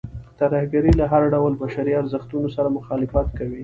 ترهګرۍ له هر ډول بشري ارزښتونو سره مخالفت کوي.